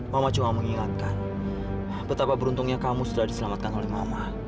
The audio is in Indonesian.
mama cuma mengingatkan betapa beruntungnya kamu sudah diselamatkan oleh mama